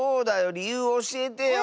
りゆうをおしえてよ！